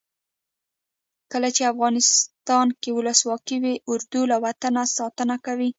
کله چې افغانستان کې ولسواکي وي اردو له وطنه ساتنه کوي.